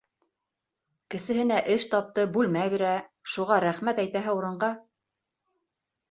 Кесеһенә эш тапты, бүлмә бирә, шуға рәхмәт әйтәһе урынға?